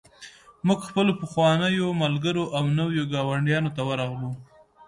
موږ خپلو پخوانیو ملګرو او نویو ګاونډیانو ته ورغلو